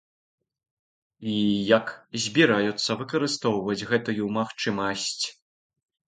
І як збіраюцца выкарыстоўваць гэтую магчымасць.